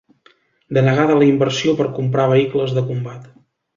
Denegada la inversió per comprar vehicles de combat